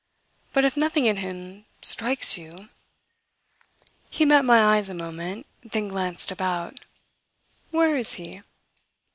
But if nothing, in him, strikes you !" He met my eyes a moment then glanced about. "Where is he?"